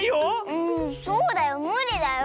うんそうだよ。むりだよ。